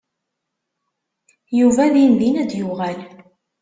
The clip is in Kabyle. Yuba dindin ad d-yuɣal.